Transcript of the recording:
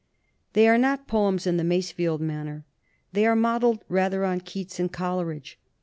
They are not poems in the Masefield manner; they are modeled rather on Keats and Coleridge.